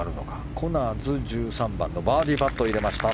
コナーズ、１３番のバーディーパット入れました。